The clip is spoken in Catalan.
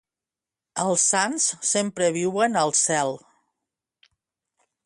Els sants sempre viuen al cel.